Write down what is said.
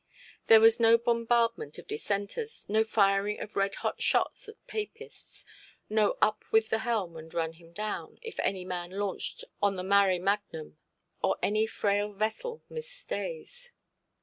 There was no bombardment of dissenters, no firing of red–hot shot at Papists, no up with the helm and run him down, if any man launched on the mare magnum, or any frail vessel missed stays.